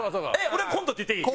俺「コント」って言っていい？